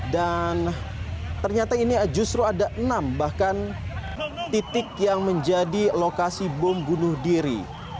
dan ternyata ini justru ada enam bahkan titik yang menjadi lokasi bom bunuh diri